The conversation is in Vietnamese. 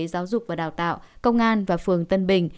giáo dục và đào tạo công an và phường tân bình